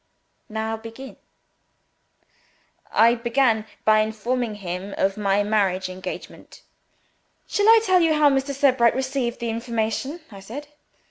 Now begin.' I began by informing him of my marriage engagement." "Shall I tell you how Mr. Sebright received the information?" I said.